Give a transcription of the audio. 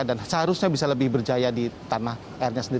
dan seharusnya bisa lebih berjaya di tanah airnya sendiri